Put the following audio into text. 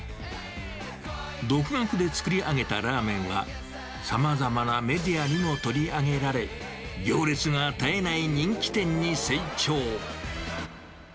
独学で作り上げたラーメンは、さまざまなメディアにも取り上げられ、行列が絶えない人気店に成長。